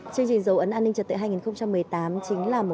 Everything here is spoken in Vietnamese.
chương trình dấu ấn an ninh trật tự hai nghìn một mươi tám